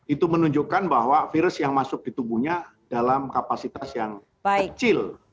itu menunjukkan bahwa virus yang masuk di tubuhnya dalam kapasitas yang kecil